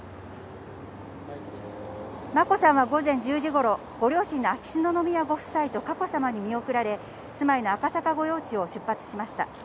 眞子さんは午前１０時頃、ご両親の秋篠宮ご夫妻と佳子さまに見送られ、住まいの赤坂御用地を出発しました。